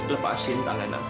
lepaskan tangan aku